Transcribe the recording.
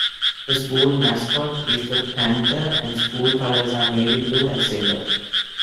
The school mascot is the Panther, and school colors are navy blue and silver.